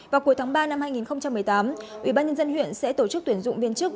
vào cuối tháng ba năm hai nghìn một mươi tám ubnd huyện sẽ tổ chức tuyển dụng viên chức